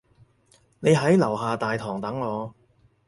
你喺樓下大堂等我